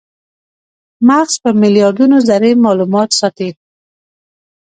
مغز په میلیاردونو ذرې مالومات ساتي.